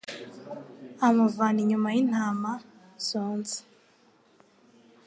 amuvana inyuma y’intama zonsa